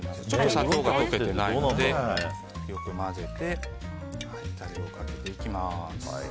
砂糖が溶けていないのでよく混ぜてタレをかけていきます。